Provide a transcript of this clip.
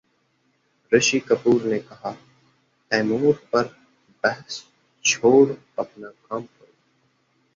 ऋषि कपूर ने कहा, तैमूर पर बहस छोड़ अपना काम करो